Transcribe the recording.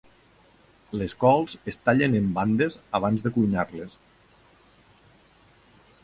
Les cols es tallen en bandes abans de cuinar-les.